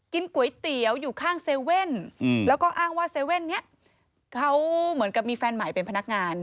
กินก๋วยเตี๋ยวอยู่ข้างเซเว่นแล้วอ้างว่าเซเว่นนี้เค้าเหมือนมีแฟนใหม่เป็นพนักงาน